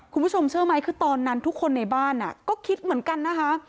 คุณผู้ชมเชื่อไหมคือตอนนั้นทุกคนในบ้านก็คิดเหมือนกันนะคะ